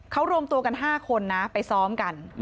เขารวมตัวกัน๕คนนะไปซ้อมกัน